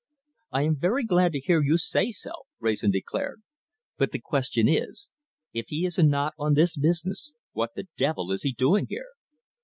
"I am very glad to hear you say so," Wrayson declared. "But the question is, if he is not on this business, what the devil is he doing here?"